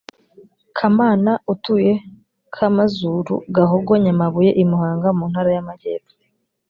kamana utuye kamazuru gahogo nyamabuye i muhanga mu ntara y’amajyepfo